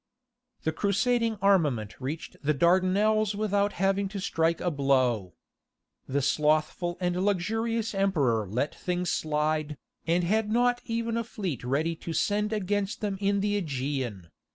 The Crusading armament reached the Dardanelles without having to strike a blow. The slothful and luxurious emperor let things slide, and had not even a fleet ready to send against them in the Aegean.